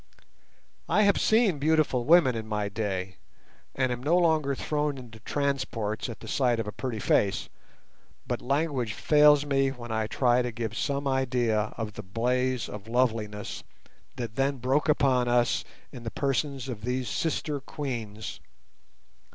I have seen beautiful women in my day, and am no longer thrown into transports at the sight of a pretty face; but language fails me when I try to give some idea of the blaze of loveliness that then broke upon us in the persons of these sister Queens.